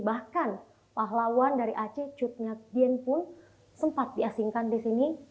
bahkan pahlawan dari aceh cutnya gian pun sempat diasingkan di sini